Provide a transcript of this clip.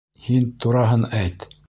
Һин тураһын әйт.